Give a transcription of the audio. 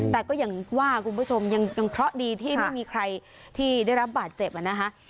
แต่ก็อย่างว่าคุณผู้ชมยังเคราะห์ดีที่ไม่มีใครที่ได้รับบาดเจ็บนะคะ